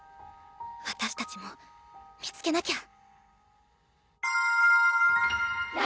私たちも見つけなきゃ！